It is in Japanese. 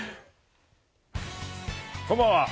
こんばんは。